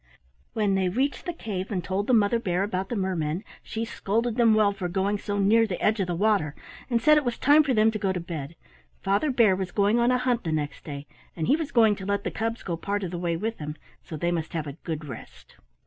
When they reached the cave and told the Mother Bear about the mermen she scolded them well for going so near the edge of the water, and said it was time for them to go to bed. Father Bear was going on a hunt the next day, and he was going to let the cubs go part of the way with him, so they must have a good rest.